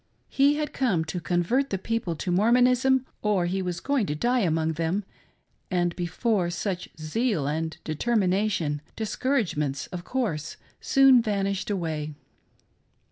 He had come to convert the people to Mormonism or he was going to die among them, and before such zeal and determination, discour agements, of course, soon vanished away.